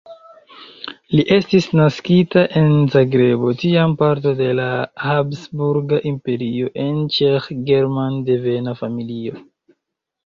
Li estis naskita en Zagrebo, tiam parto de la Habsburga Imperio, en Ĉeĥ-German-devena familio.